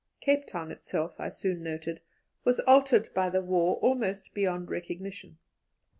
Cape Town itself, I soon noted, was altered by the war almost beyond recognition.